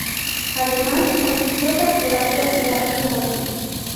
Además, consiguió capturarlo y darle muerte.